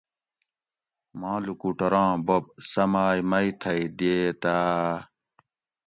ماں لُوکوٹوراں بوب سماۤئے مئی تھئی دئیتاۤ